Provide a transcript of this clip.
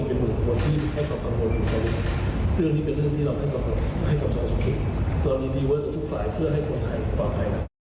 เรามีดีเวิร์ดกับทุกฝ่ายเพื่อให้คนไทยฝ่าไทย